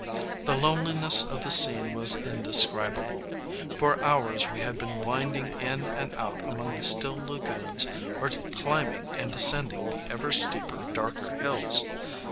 The loneliness of the scene was indescribable: for hours we had been winding in and out among the still lagoons or climbing and descending the ever steeper, darker hills.